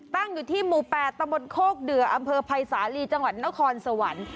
ตั้งอยู่ที่หมู่๘ตะบนโคกเดืออำเภอภัยสาลีจังหวัดนครสวรรค์